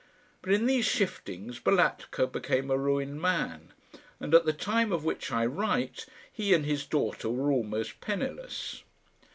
But in these shiftings Balatka became a ruined man, and at the time of which I write he and his daughter were almost penniless.